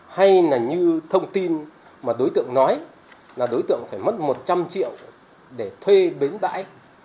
hay là như thông tin mà đối tượng nói là đối tượng phải mất một trăm linh triệu để thuê bến bãi